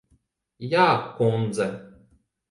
Jā, kundze.